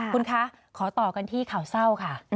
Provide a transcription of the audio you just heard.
คุณคะขอต่อกันที่ข่าวเศร้าค่ะ